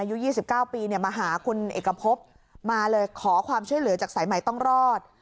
อายุ๒๙ปีเนี่ยมาหาคุณเอกพบมาเลยขอความช่วยเหลือจากสายใหม่ต้องรอด